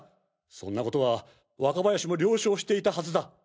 そんなことは若林も了承していたはずだ！